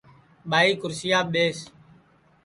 ٻائی کُرسیاپ ٻیس